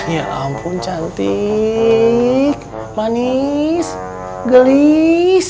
ya ampun cantik manis gelis